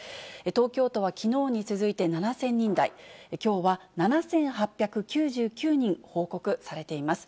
東京都はきのうに続いて７０００人台、きょうは７８９９人報告されています。